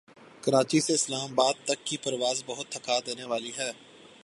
کراچی سے اسلام آباد تک کی پرواز بہت تھکا دینے والی ہے